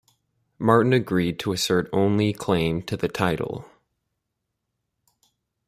Martin agreed to assert only claim to the title.